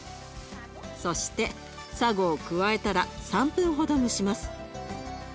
そしてサゴを加えたら３分ほど蒸します。